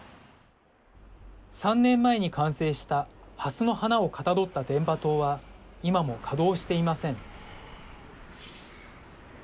３年前に完成したハスの花をかたどった電波塔は今も稼動していません。